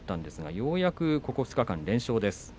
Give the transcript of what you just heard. ようやくここ２日間、連勝です。